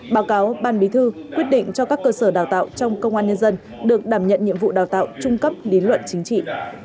báo cáo ban bí thư quyết định cho các cơ sở đào tạo trong công an nhân dân được đảm nhận nhiệm vụ đào tạo trung cấp lý luận chính trị